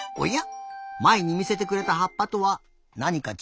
まえにみせてくれたはっぱとはなにかちがうね。